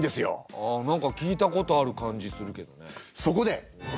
ああ何か聞いたことある感じするけどね。